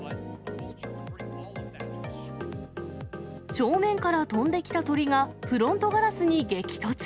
正面から飛んできた鳥がフロントガラスに激突。